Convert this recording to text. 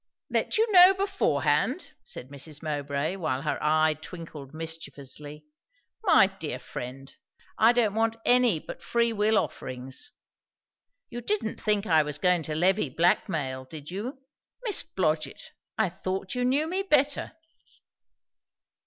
"Let you know beforehand!" said Mrs. Mowbray, while her eye twinkled mischievously: "My dear friend! I don't want any but free will offerings. You didn't think I was going to levy black mail? did you? Miss Blodgett! I thought you knew me better."